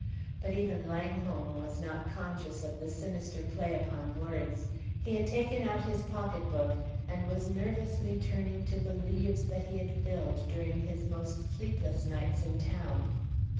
But even Langholm was not conscious of the sinister play upon words; he had taken out his pocket book, and was nervously turning to the leaves that he had filled during his most sleepless night in town.